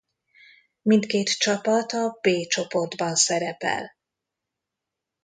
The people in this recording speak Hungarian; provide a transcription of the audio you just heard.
Mindkét csapat a B csoportban szerepel.